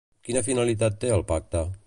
Quina finalitat té el pacte?